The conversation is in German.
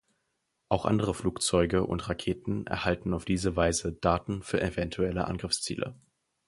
Auch andere Flugzeuge und Raketen erhalten auf diese Weise Daten für eventuelle Angriffsziele.